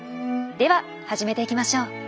では始めていきましょう。